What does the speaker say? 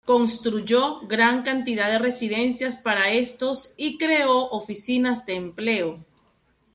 Construyó gran cantidad de residencias para estos y creó oficinas de empleo.